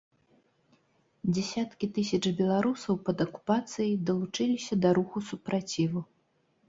Дзясяткі тысяч беларусаў пад акупацыяй далучыліся да руху супраціву.